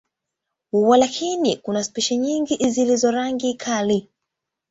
Walakini, kuna spishi nyingi zilizo rangi kali.